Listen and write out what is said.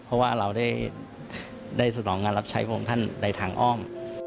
เพราะว่าเราได้สนองงานรับใช้พระองค์ท่านในทางอ้อม